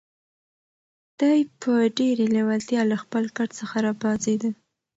دی په ډېرې لېوالتیا له خپل کټ څخه را پاڅېد.